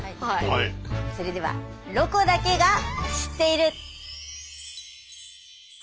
それでは「ロコだけが知っている」。